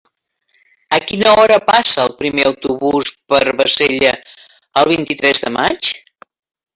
A quina hora passa el primer autobús per Bassella el vint-i-tres de maig?